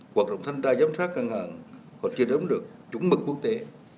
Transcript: hoạt động thanh tra giám sát ngân hàng còn chưa đếm được chủng mực quốc tế